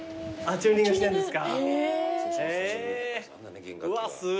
チューニングしてんですか。